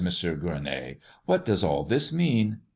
Gueronnay. "What does all this mean?"